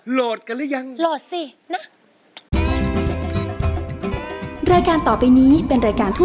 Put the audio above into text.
เป็กกี้ก็โหลดแล้ว